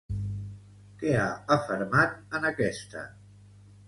Què ha afermat en aquesta?